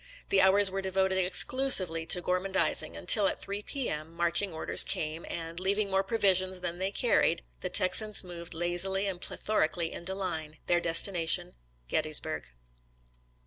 The hours were devoted exclusively to gormandizing until, at 3 P. M., marching orders came, and, leaving more provisions than they carried, the Texans moved lazily and plethorically into line — their destination, Gettysburg.